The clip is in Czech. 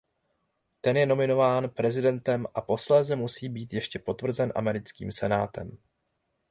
Ten je nominován prezidentem a posléze musí být ještě potvrzen americkým senátem.